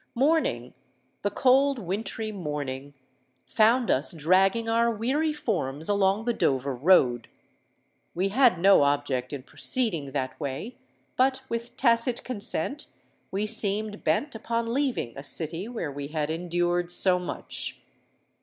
Morning—the cold wintry morning—found us dragging our weary forms along the Dover Road. We had no object in proceeding that way; but with tacit consent we seemed bent upon leaving a city where we had endured so much.